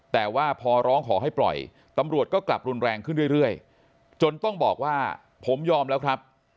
แต่ว่าพอร้องขอให้ปล่อยตำรวจก็กลับรุนแรงขึ้นเรื่อยจนต้องบอกว่าผมยอมแล้วครับ